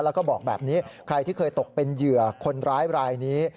แล้วก็บอกแบบนี้ใครที่เคยตกเป็นเหยื่อคนร้ายรายนี้